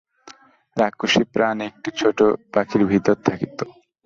রাক্ষসীর প্রাণ একটি ছোট পাখির ভিতর থাকিত।